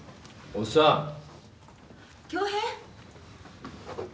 恭平。